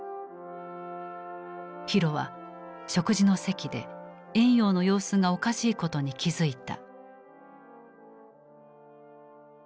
浩は食事の席で婉容の様子がおかしいことに気付いた。